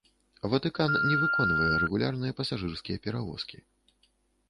Ватыкан не выконвае рэгулярныя пасажырскія перавозкі.